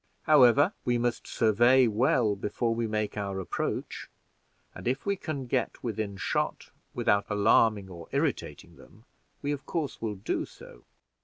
However, we must survey well before we make our approach; and if we can get within shot without alarming or irritating them, we, of course, will do so."